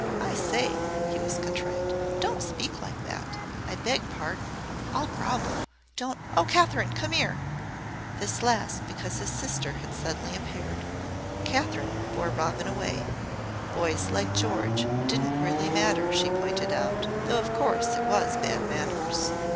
"I say," he was contrite "don't speak like that. I beg pardon. I'll grovel. Don't Oh, Kathryn! Come here!" This last because his sister had suddenly appeared. Kathryn bore Robin away. Boys like George didn't really matter, she pointed out, though of course it was bad manners.